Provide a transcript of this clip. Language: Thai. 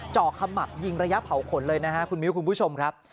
ขมับยิงระยะเผาขนเลยนะฮะคุณมิ้วคุณผู้ชมครับ